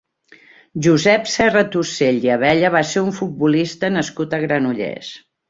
Josep Serratusell i Abella va ser un futbolista nascut a Granollers.